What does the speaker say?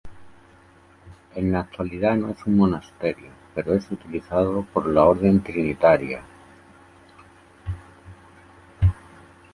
En la actualidad no es un monasterio, pero es utilizado por la Orden Trinitaria.